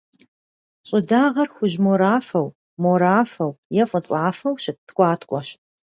ЩӀыдагъэр — хужь-морафэу, морафэу е фӀыцӀафэу щыт ткӀуаткӀуэщ.